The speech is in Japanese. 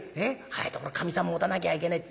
早いところかみさん持たなきゃいけねえ』。